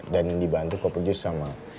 dan dibantu kop produce sama